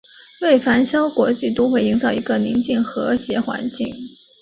为繁嚣国际都会营造一个宁静和谐环境。